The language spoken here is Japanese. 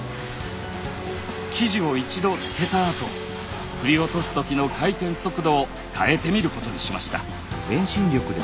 生地を一度漬けたあと振り落とすときの回転速度を変えてみることにしました。